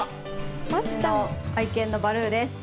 愛犬のバルーです。